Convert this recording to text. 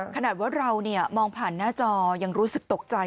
ขนาดว่าเรามองผ่านหน้าจอยังรู้สึกตกใจ